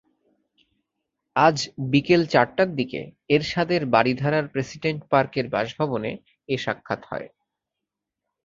আজ বিকেল চারটার দিকে এরশাদের বারিধারার প্রেসিডেন্ট পার্কের বাসভবনে এ সাক্ষাৎ হয়।